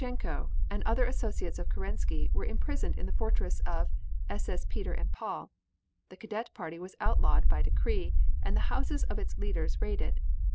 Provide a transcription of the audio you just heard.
Kornilov, Terestchenko and other associates of Kerensky, were imprisoned in the Fortress of SS. Peter and Paul; the Cadet Party was outlawed by decree and the houses of its leaders raided.